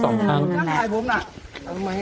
กรมป้องกันแล้วก็บรรเทาสาธารณภัยนะคะ